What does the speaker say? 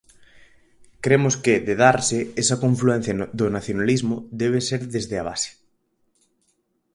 Cremos que, de darse, esa confluencia do nacionalismo, debe ser desde a base.